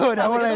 udah mulai itu